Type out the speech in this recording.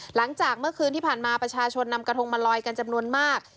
หลังจากเมื่อคืนที่ผ่านมาประชาชนนำกระทงมาลอยกันจำนวนมาก